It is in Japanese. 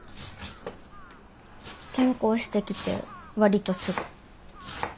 転校してきて割とすぐ。